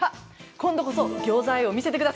今度こそギョーザ愛を見せてください。